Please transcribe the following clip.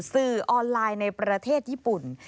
สื่อออนไลน์ในประเทศญี่ปุ่น